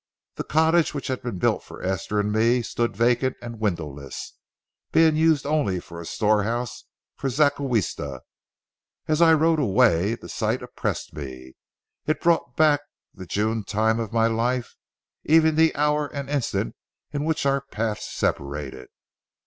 The cottage which had been built for Esther and me stood vacant and windowless, being used only for a storehouse for zacahuiste. As I rode away, the sight oppressed me; it brought back the June time of my youth, even the hour and instant in which our paths separated.